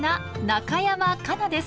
中山果奈です。